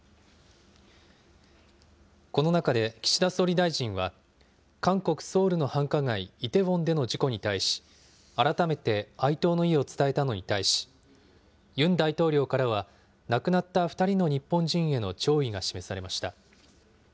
この中で、岸田総理大臣は、韓国・ソウルの繁華街イテウォンでの事故に対し、改めて哀悼の意を伝えたのに対し、ユン大統領からは、亡くなった２人の日本人への弔意が示されました。